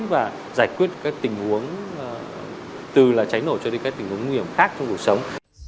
và giải quyết các tình huống từ cháy nổ cho đến các tình huống nguy hiểm khác trong cuộc sống